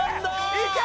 いけ！